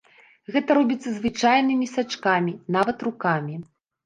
Гэта робіцца звычайнымі сачкамі, нават рукамі!